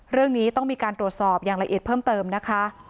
เรื่องนี้ต้องมีการตรวจสอบอย่างละเอียดเพิ่มเติมนะคะ